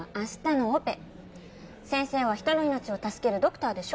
先生は人の命を助けるドクターでしょ？